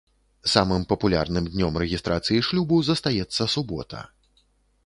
Самым папулярным днём рэгістрацыі шлюбу застаецца субота.